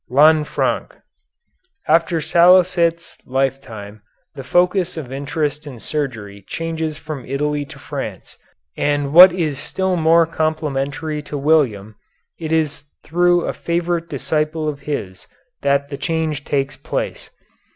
LANFRANC After Salicet's lifetime the focus of interest in surgery changes from Italy to France, and what is still more complimentary to William, it is through a favorite disciple of his that the change takes place.